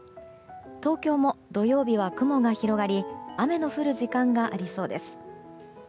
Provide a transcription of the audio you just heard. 東京も土曜日は雲が広がり雨の降る時間がありそうです。